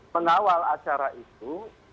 pengawal acara itu